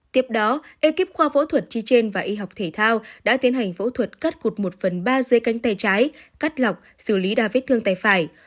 tiếp đó ekip khoa phẫu thuật chi trên và y học thể thao đã tiến hành phẫu thuật cắt cụt một phần ba dưới cánh tay trái cắt lọc xử lý đa vết thương tay phải